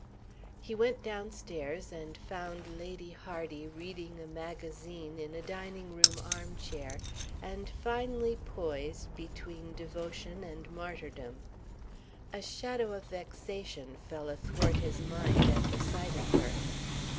He went downstairs and found Lady Hardy reading a magazine in a dining room armchair and finely poised between devotion and martyrdom. A shadow of vexation fell athwart his mind at the sight of her.